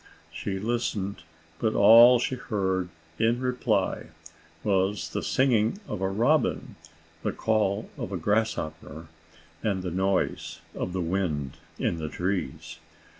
She listened, but all she heard in reply was the singing of a robin, the call of a grasshopper and the noise of the wind in the trees.